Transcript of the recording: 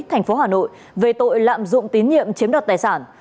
thành phố hà nội về tội lạm dụng tín nhiệm chiếm đoạt tài sản